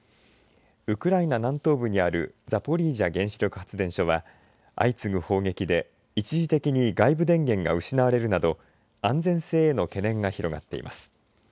ウクライナ南東部にあるザポリージャ原子力発電所は相次ぐ砲撃で一時的に外部電源が失われるなど安全性への懸念が広がっています。